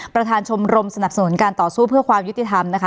ประธานชมรมสนับสนุนการต่อสู้เพื่อความยุติธรรมนะคะ